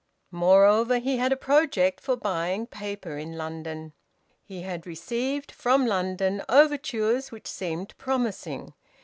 Moreover, he had a project for buying paper in London: he had received, from London, overtures which seemed promising.